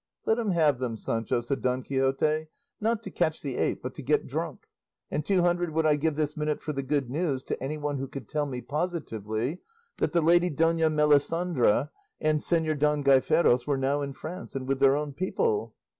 "Let him have them, Sancho," said Don Quixote; "not to catch the ape, but to get drunk; and two hundred would I give this minute for the good news, to anyone who could tell me positively, that the lady Dona Melisandra and Señor Don Gaiferos were now in France and with their own people."